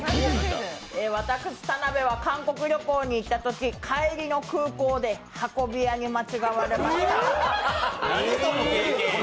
私、田辺は韓国旅行に行ったとき運び屋に間違われました。